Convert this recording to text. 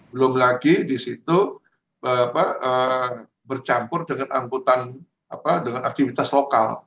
belum lagi di situ bercampur dengan angkutan dengan aktivitas lokal